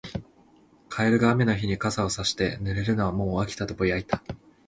カエルが雨の日に傘をさして、「濡れるのはもう飽きた」とぼやいた。